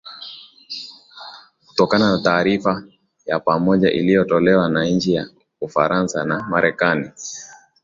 kutokana na taarifa ya pamoja iliotolewa na nchi ya ufaransa na marekani